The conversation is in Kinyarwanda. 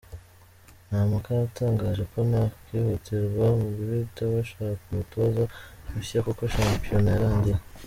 Ntampaka yatangaje ko nta kihutirwa mu guhita bashaka umutoza mushya kuko shampionat yarangiye.